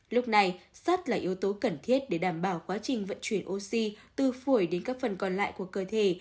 lúc này sát là yếu tố cần thiết để đảm bảo quá trình vận chuyển oxy từ phổi đến các phần còn lại của cơ thể